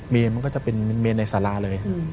เมียนมันก็จะเป็นเมียนในสาระเลย